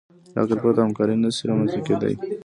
له عقل پرته همکاري نهشي رامنځ ته کېدی.